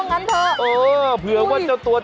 ไปดูกันหน่อย